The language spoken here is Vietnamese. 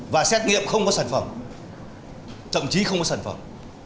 và xét nghiệm không có sản phẩm thậm chí không có sản phẩm